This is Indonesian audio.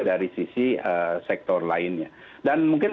dari sisi sektor lainnya dan mungkin